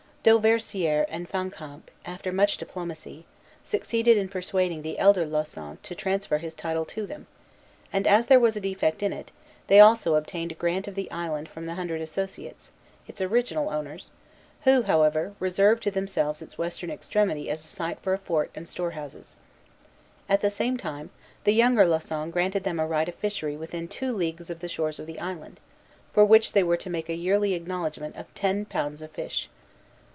Dauversière and Fancamp, after much diplomacy, succeeded in persuading the elder Lauson to transfer his title to them; and, as there was a defect in it, they also obtained a grant of the island from the Hundred Associates, its original owners, who, however, reserved to themselves its western extremity as a site for a fort and storehouses. At the same time, the younger Lauson granted them a right of fishery within two leagues of the shores of the island, for which they were to make a yearly acknowledgment of ten pounds of fish.